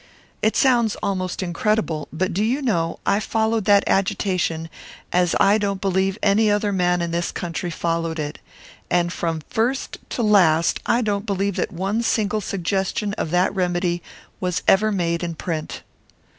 It sounds almost incredible but do you know, I followed that agitation as I don't believe any other man in this country followed it and from first to last I don't believe that one single suggestion of that remedy was ever made in print!"